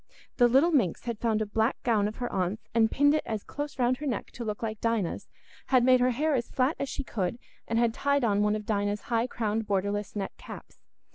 The little minx had found a black gown of her aunt's, and pinned it close round her neck to look like Dinah's, had made her hair as flat as she could, and had tied on one of Dinah's high crowned borderless net caps.